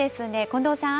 近藤さん。